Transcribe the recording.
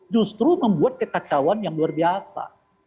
justru membuat kekacauan yang luar biasa